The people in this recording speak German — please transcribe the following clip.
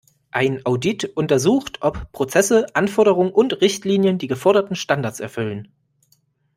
Ein Audit untersucht, ob Prozesse, Anforderungen und Richtlinien die geforderten Standards erfüllen.